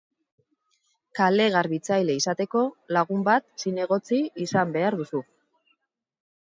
Kale-garbitzaile izateko, lagun bat zinegotzi izan behar duzu.